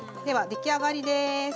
では、出来上がりです。